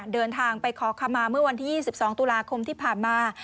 เดินทางไปขอคำมาเมื่อวันที่๒๒ตุลาคมที่ผ่านมา